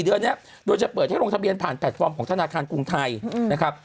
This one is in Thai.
เดือนนี้โดยจะเปิดให้ลงทะเบียนผ่านแพลตฟอร์มของธนาคารกรุงไทยนะครับ